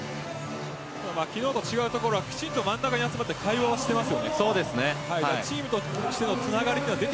昨日と違うところは真ん中に集まって会話をしています。